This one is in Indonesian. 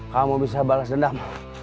kamu bisa bales dendam